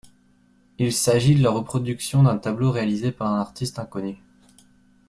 Il s'agit de la reproduction d'un tableau réalisé par un artiste inconnu.